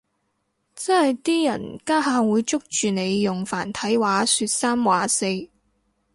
真係啲人家下會捉住你用繁體話說三話四